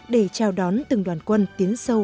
để trao đón từng đoàn quân tiến sâu